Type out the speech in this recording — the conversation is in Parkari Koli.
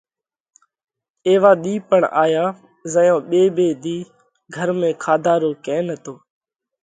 ايوا ۮِي پڻ آيا زئيون ٻي ٻي ۮِي گھر ۾ کاڌا رو ڪئين نتو،